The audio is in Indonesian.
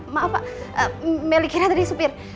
maaf pak meli kira tadi sopir